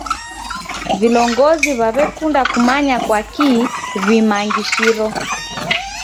Vilongozi w'erekunda kumanya kwaki w'imangishiro.